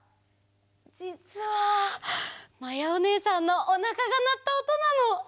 じつはまやおねえさんのおなかがなったおとなの。